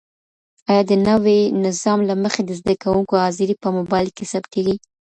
آیا د نوي نظام له مخې د زده کوونکو حاضري په موبایل کي ثبتيږي؟